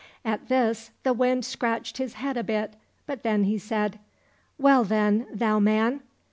At this the Wind scratched his head a bit, but then he said, " Well then, thou man